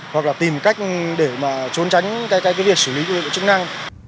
hoặc là tìm cách để mà trốn tránh cái việc xử lý của lực lượng chức năng